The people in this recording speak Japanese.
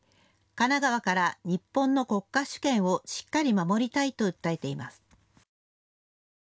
神奈川から日本の国家主権をしっかり守りたいと訴えています。